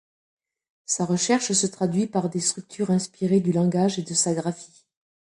Sa recherche se traduit par des structures inspirées du langage et de sa graphie.